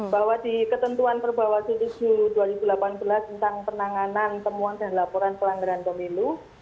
bahwa di ketentuan perbawahi tujuh dua ribu delapan belas tentang penanganan temuan dan laporan pelanggaran pemilu